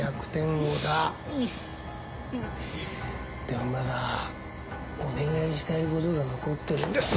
でもまだお願いしたいことが残ってるんです。